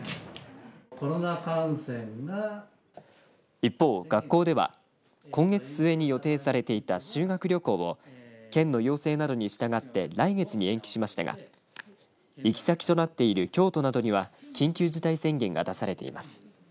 一方、学校では今月末に予定されていた修学旅行を県の要請などにしたがって来月に延期しましたが行き先となっている京都などには緊急事態宣言が出されています。